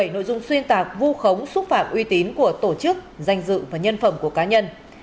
bảy nội dung xuyên tạc vu khống xúc phạm uy tín của tổ chức danh dự và nhân phẩm của cá nhân